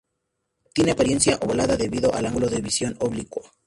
Tiene apariencia ovalada debido al ángulo de visión oblicuo.